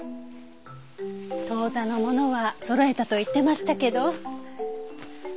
当座のものはそろえたと言ってましたけど。